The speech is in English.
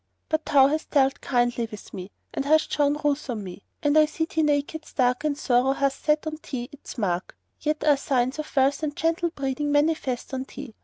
But thou hast dealt kindly with me and hast shown ruth on me; and I see thee naked stark and sorrow hath set on thee its mark, yet are signs of wealth and gentle breeding manifest on thee.